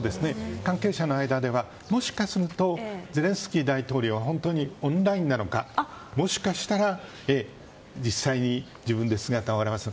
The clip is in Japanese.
関係者の間ではもしかするとゼレンスキー大統領は本当にオンラインなのかもしかしたら、実際に自分で姿を現す。